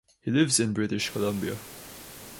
He lives in British Columbia.